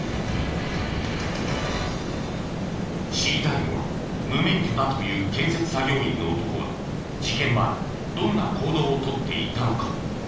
知りたいのは無免許だという建設作業員の男が事件前どんな行動をとっていたのか。